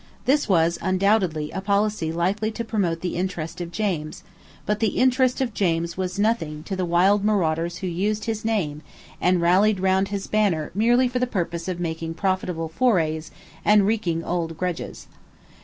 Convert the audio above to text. This was undoubtedly a policy likely to promote the interest of James; but the interest of James was nothing to the wild marauders who used his name and rallied round his banner merely for the purpose of making profitable forays and wreaking old grudges.